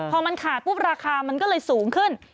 พอมันขาดปุ๊บราคามันก็เลยสูงขึ้น